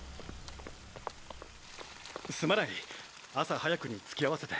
すまない朝早くにつきあわせて。